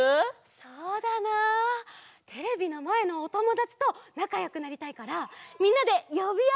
そうだなあテレビのまえのおともだちとなかよくなりたいからみんなでよびあいっこするのはどう？